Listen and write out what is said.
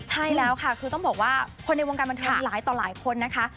ใช่แล้วค่ะคือต้องบอกว่าคนในวงการบันเทิงหลายต่อหลายคนนะคะ